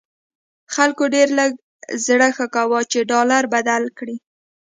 خلکو ډېر لږ زړه ښه کاوه چې ډالر بدل کړي.